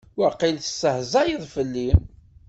Waqil testehzayeḍ fell-i.